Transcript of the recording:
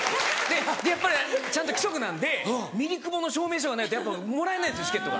でやっぱりちゃんと規則なんでミリクボの証明書がないとやっぱもらえないんですチケットが。